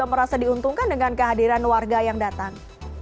apakah bisnis di sana juga merasa diuntungkan dengan kehadiran warga yang datang